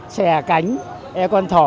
xè cánh con thỏ